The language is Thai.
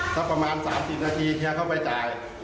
สักประมาณ๓๐นาทีเฮียเข้าไปจ่าย